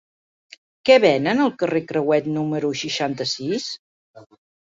Què venen al carrer de Crehuet número seixanta-sis?